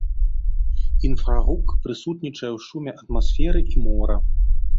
Інфрагук прысутнічае ў шуме атмасферы і мора.